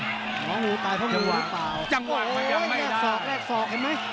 อ๋องูตายเพราะมือหรือเปล่าจังหวังมันยังไม่ได้โอ้โหแรกศอกแรกศอกเห็นไหม